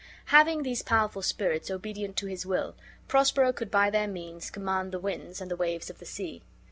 Having these powerful spirits obedient to his will, Prospero could by their means command the winds, and the waves of the sea.